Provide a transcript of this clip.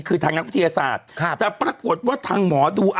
เขาบอกว่าเป็นหมอดู